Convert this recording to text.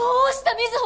瑞穂。